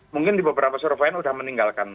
mungkin di beberapa survei ini sudah meninggalkan